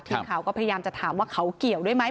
ทีมข่าวก็พยายามจะถามว่าเขาเกี่ยวด้วยไหม